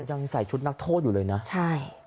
ยังใส่ชุดนักโทษอยู่เลยนะใช่